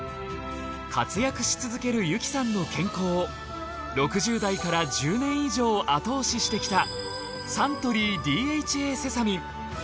活躍し続ける由紀さんの健康を６０代から１０年以上後押ししてきたサントリーＤＨＡセサミン。